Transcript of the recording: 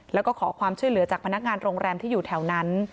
แล้วก็ขอความช่วยเหลือจากพนักงานโรงแรมที่อยู่แถวนั้น